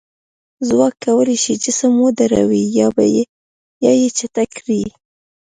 ځواک کولی شي جسم ودروي یا یې چټک کړي.